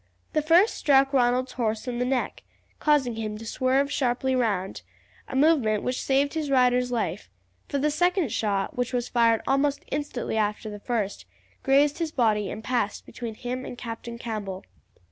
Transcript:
The first struck Ronald's horse in the neck, causing him to swerve sharply round, a movement which saved his rider's life, for the second shot, which was fired almost instantly after the first, grazed his body and passed between him and Captain Campbell.